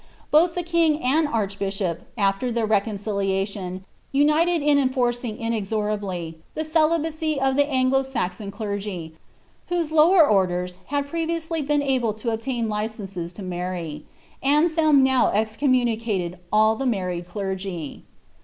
Both the king anil arch bishop, after their reconciliation, uniietl in enforcing inesorably the cct bary of the Anglo Saxon clergy, whose lower orders had previotwly been able lo obtain licenses to marry. Anselm now excommunicated kll the married clergy.